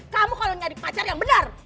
kamu kalau nyari pacar yang benar